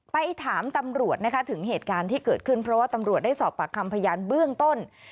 ไปถามตำรวจนะคะถึงเหตุการณ์ที่เกิดขึ้นเพราะว่าตำรวจได้สอบปากคำพยานเบื้องต้น